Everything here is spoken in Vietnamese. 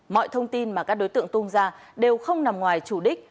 mọi thông tin mà các đối tượng tung ra đều không nằm ngoài chủ đích